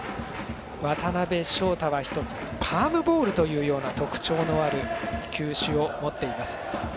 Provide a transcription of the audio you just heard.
渡辺翔太は１つパームボールというような特徴のある球種を持っています。